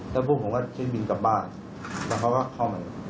แล้วพวกผมก็เช็คบินกลับบ้านแล้วเขาก็เข้ามา